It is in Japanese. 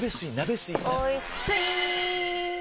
おいスイー！